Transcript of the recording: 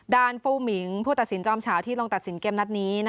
ฟูมิงผู้ตัดสินจอมเฉาที่ลงตัดสินเกมนัดนี้